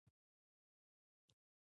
آیا دوی په نړیوال لیګ کې نه لوبېږي؟